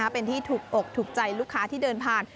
เป็นที่ถูกอกถูกใจลูกค้าที่เดินผ่าน